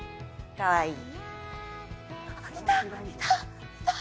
かわいい！